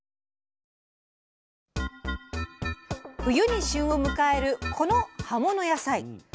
冬に旬を迎えるこの葉物野菜。